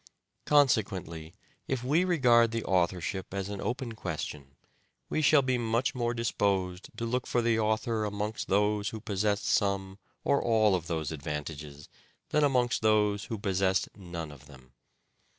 Consequently, if we regard the authorship as an open question we shall be much more disposed to look for the author amongst those who possessed some or all of those advantages than amongst those who possessed none of them.